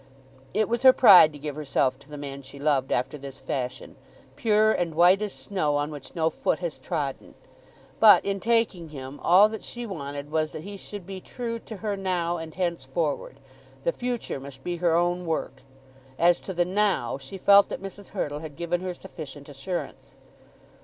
It was her pride to give herself to the man she loved after this fashion, pure and white as snow on which no foot has trodden. But in taking him, all that she wanted was that he should be true to her now and henceforward. The future must be her own work. As to the "now," she felt that Mrs. Hurtle had given her sufficient assurance.